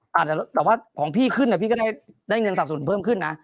แต่ว่าของพี่ขึ้นอะพี่ก็ได้เงินสรรพสุนเพิ่มขึ้นนะ